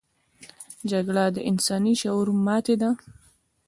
جګړه د انساني شعور ماتې ده